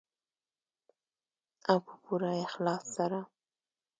او په پوره اخلاص سره.